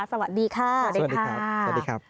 สวัสดีค่ะสวัสดีครับ